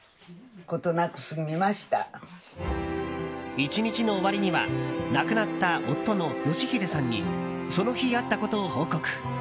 １日の終わりには亡くなった夫の良英さんにその日あったことを報告。